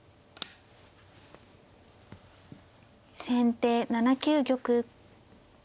先手７九玉。